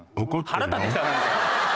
腹立ってきた何か。